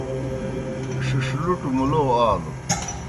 ݜِݜ لُٹوْ مُلو آلوْ۔